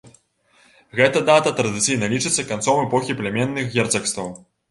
Гэта дата традыцыйна лічыцца канцом эпохі племянных герцагстваў.